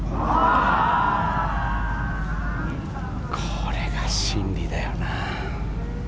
これが心理だよな。